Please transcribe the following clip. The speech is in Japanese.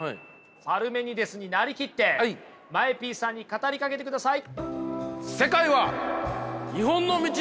パルメニデスに成りきってＭＡＥＰさんに語りかけてください。